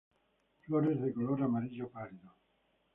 Flores de color amarillo pálido.